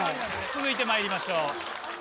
続いてまいりましょう。